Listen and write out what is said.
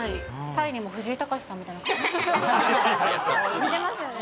タイにも藤井隆さんみたいな似てますよね。